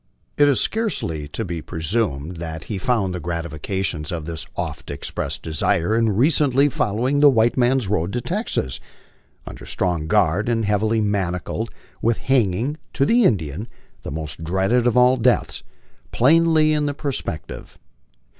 It is scarcely to be presumed that 18 MY LIFE ON THE PLAINS. he found the gratification of this oft expressed desire in recently following tho "white man's road " to Texas, under strong guard and heavily manacled, with hanging, to the Indian the most dreaded of all deaths, plainly in the perspec tive.